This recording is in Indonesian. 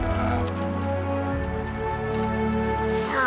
mas aku mau ke mobil